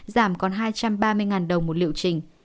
giảm còn hai trăm ba mươi đồng một liệu trình